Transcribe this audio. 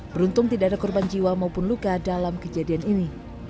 beruntung tidak ada korban jiwa maupun luka dalam kejadian ini